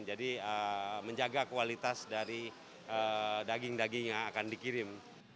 jadi menjaga kualitas dari daging daging yang akan dikirim